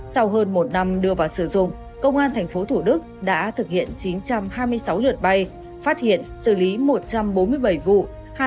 sau hơn một năm đưa vào sử dụng công an tp thủ đức đã thực hiện chín trăm hai mươi sáu lượt bay phát hiện xử lý một trăm bốn mươi bảy vụ